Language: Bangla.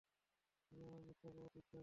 তুমি আমায় মিথ্যা অপবাদ দিচ্ছো।